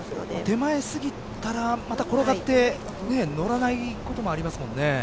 手前すぎたらまた転がってのらないこともありますもんね。